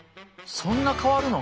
そんな変わるの？